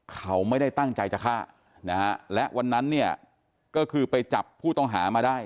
เขาไม่ได้ตั้งใจจะฆ่านะฮะและวันนั้นเนี่ยก็คือไปจับผู้ต้องหามาได้